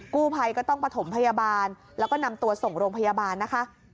กู้ภัยก็ต้องประถมพยาบาลแล้วก็นำตัวส่งโรงพยาบาลนะคะ